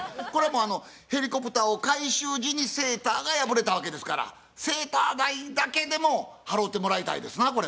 これはもうヘリコプターを回収時にセーターが破れたわけですからセーター代だけでも払うてもらいたいですな